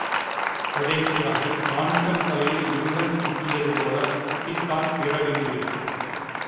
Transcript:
கடைசியாக நான்முகன் தலையில் முருகன் குட்டியது போலக் குட்டித்தான் தீரவேண்டியிருக்கிறது!